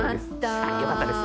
よかったです